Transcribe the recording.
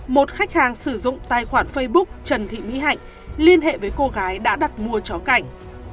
một khách hàng sử dụng tài khoản facebook trần thị mỹ hạnh liên hệ với cô gái đã đặt mua chó cạnh